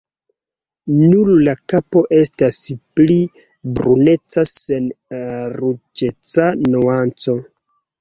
Nur la kapo estas pli bruneca sen ruĝeca nuanco.